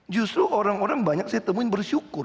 justru orang orang banyak saya temuin bersyukur